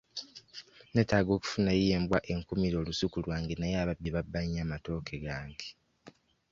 Neetaaga okufunayo embwa enkuumire olusuku lwange naye ababbi babba nnyo amatooke gange.